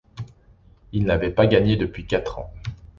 Il n'avait pas gagné depuis quatre ans.